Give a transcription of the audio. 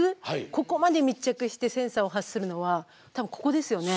ここまで密着してセンサーを発するのは多分ここですよね